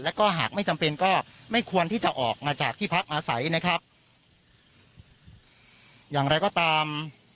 แล้วก็หากไม่จำเป็นก็ไม่ควรที่จะออกมาจากที่พักอาศัยนะครับอย่างไรก็ตาม